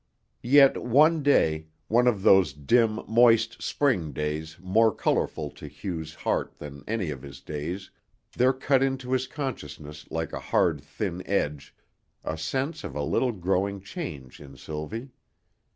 Yet one day one of those dim, moist spring days more colorful to Hugh's heart than any of his days there cut into his consciousness like a hard, thin edge, a sense of a little growing change in Sylvie.